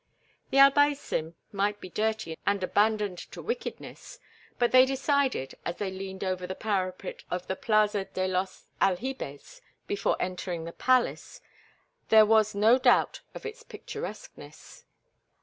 The Albaicin might be dirty and abandoned to wickedness, but they decided, as they leaned over the parapet of the Plaza de los Aljibes before entering the palace, there was no doubt of its picturesqueness.